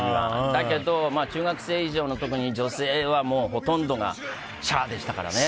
だけど、中学生以上の特に女性はほとんどがシャアでしたからね。